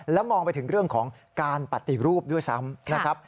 แล้วมองไปถึงเรื่องของการปฏิรูปด้วยซ้ำนะครับ